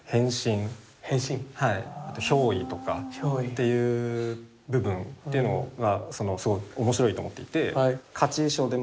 憑依とかっていう部分っていうのがそのすごい面白いと思っていて。